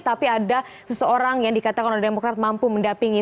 tapi ada seseorang yang dikatakan oleh demokrat mampu mendapingi